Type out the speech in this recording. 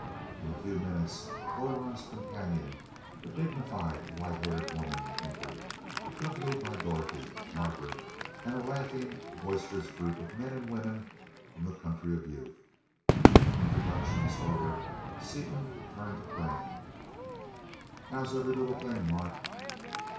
In a few minutes Orlon's companion, a dignified, white haired woman, entered; accompanied by Dorothy, Margaret, and a laughing, boisterous group of men and women from the Country of Youth. Introductions over, Seaton turned to Crane. "How's every little thing, Mart?"